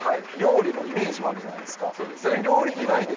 料理のイメージあるじゃないですか。